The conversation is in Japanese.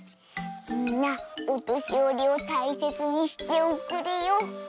みんなおとしよりをたいせつにしておくれよ。